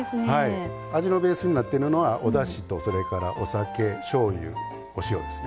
味のベースになってるのはおだしと、お酒しょうゆ、お塩ですね。